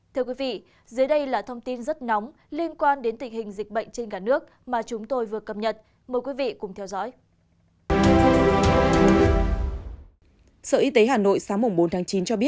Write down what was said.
thưa quý vị dưới đây là thông tin rất nóng liên quan đến tình hình dịch bệnh trên cả nước mà chúng tôi vừa cập nhật mời quý vị cùng theo dõi